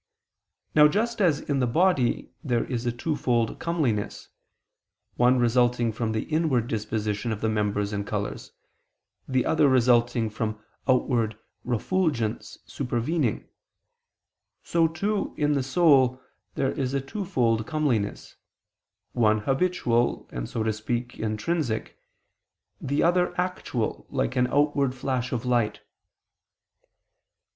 Now, just as in the body there is a twofold comeliness, one resulting from the inward disposition of the members and colors, the other resulting from outward refulgence supervening, so too, in the soul, there is a twofold comeliness, one habitual and, so to speak, intrinsic, the other actual like an outward flash of light.